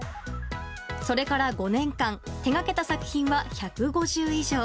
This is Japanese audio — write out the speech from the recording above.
それから５年間手掛けた作品は１５０以上。